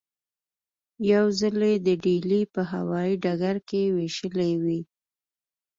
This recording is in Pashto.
یو ځل یې د ډیلي په هوايي ډګر کې وېشلې وې.